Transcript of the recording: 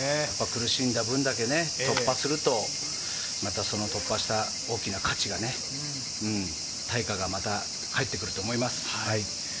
苦しんだ分だけ突破すると、突破した大きな価値がね、対価がまた入ってくると思います。